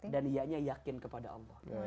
dan ianya yakin kepada allah